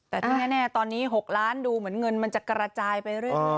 แต่ที่แน่ตอนนี้๖ล้านดูเหมือนเงินมันจะกระจายไปเรื่อย